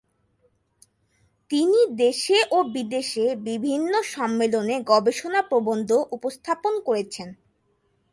তিনি দেশে ও বিদেশে বিভিন্ন সম্মেলনে গবেষণা প্রবন্ধ উপস্থাপন করেছেন।